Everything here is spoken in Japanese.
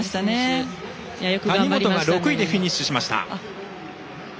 谷本が６位でフィニッシュしました。